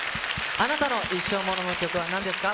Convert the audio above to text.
あなたの一生ものの曲はなんですか？